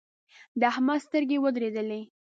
د احمد سترګې ودرېدلې.